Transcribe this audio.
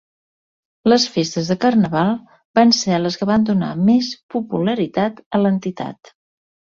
Les festes de Carnaval van ser les que van donar més popularitat a l'entitat.